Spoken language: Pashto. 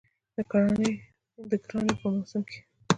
د ګرانۍ په موسم کې